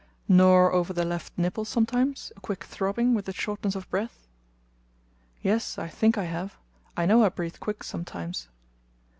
"Nor over the left nipple sometimes a quick throbbing, with a shortness of breath?" "Yes, I think I have. I know I breathe quick sometimes."